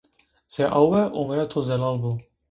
Zê awe omre to zelal bo.